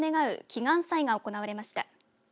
祈願祭が行われました。